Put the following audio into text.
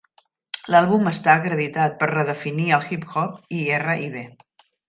L'àlbum està acreditat per redefinir el hip hop i R i B.